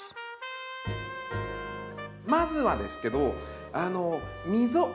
まずはですけど溝。